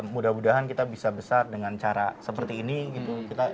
mudah mudahan kita bisa besar dengan cara seperti ini gitu